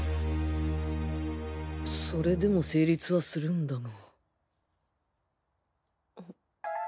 それでも成立はするんだが